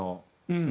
うん。